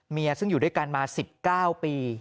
ซึ่งอยู่ด้วยกันมา๑๙ปี